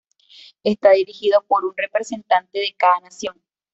Está dirigido por un representante de cada nación.